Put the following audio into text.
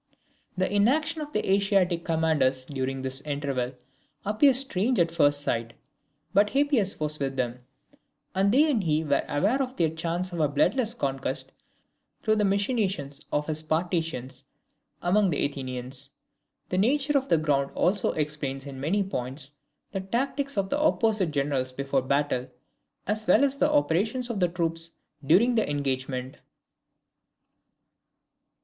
The inaction of the Asiatic commanders, during this interval, appears strange at first sight; but Hippias was with them, and they and he were aware of their chance of a bloodless conquest through the machinations of his partisans among the Athenians. The nature of the ground also explains, in many points, the tactics of the opposite generals before the battle, as well as the operations of the troops during the engagement.